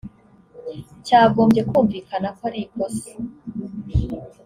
cyagombye kumvikana ko ari ikosa